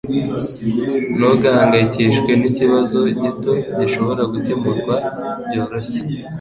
Ntugahangayikishwe nikibazo gito gishobora gukemurwa byoroshye.